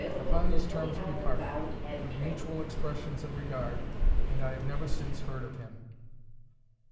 Upon these terms we parted, with mutual expressions of regard, and I have never since heard of him.